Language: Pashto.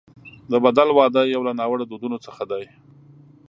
د بدل واده یو له ناوړه دودونو څخه دی.